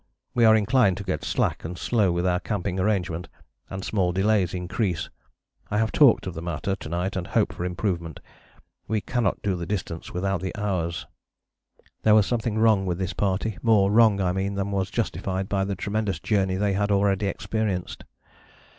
We are inclined to get slack and slow with our camping arrangement, and small delays increase. I have talked of the matter to night and hope for improvement. We cannot do distance without the hours." There was something wrong with this party: more wrong, I mean, than was justified by the tremendous journey they had already experienced.